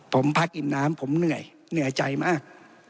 ผมพักอิ่มน้ำผมเหนื่อยเหนื่อยใจมาก